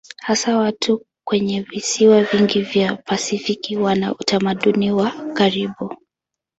Hasa watu kwenye visiwa vingi vya Pasifiki wana utamaduni wa karibu.